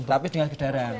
tapi dengan gedaran